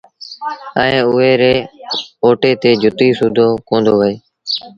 ائيٚݩ اُئي ري اوتي تي جتيٚ سُوڌو ڪوندو وهي